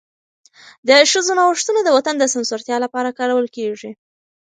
د ښځو نوښتونه د وطن د سمسورتیا لپاره کارول کېږي.